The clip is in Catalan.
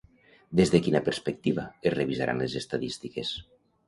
Des de quina perspectiva es revisaran les estadístiques?